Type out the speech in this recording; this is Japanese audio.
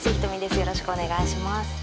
よろしくお願いします。